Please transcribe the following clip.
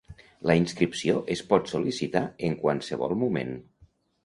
La inscripció es pot sol·licitar en qualsevol moment.